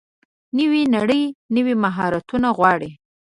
نوې نړۍ نوي مهارتونه غواړي.